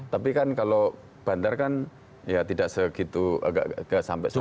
tapi kan kalau bandar kan tidak segitu agak sampai seratus ribu puluh